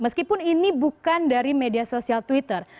meskipun ini bukan dari media sosial twitter